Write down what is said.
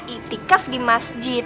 itikaf di masjid